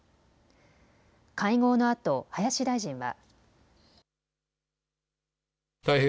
会合のあと林大臣は。